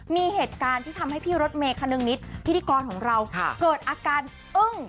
มีเหตุการณ์ที่ทำให้พี่รถเมย์คนึงนิดพิธีกรของเราเกิดอาการอึ้ง